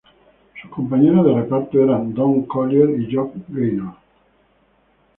Sus compañeros de reparto eran Don Collier y Jock Gaynor.